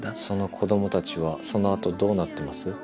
「その子供たちはその後どうなってます？」